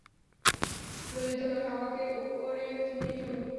ললিতা কহিল, আমাকে উপরে নিয়ে চলুন।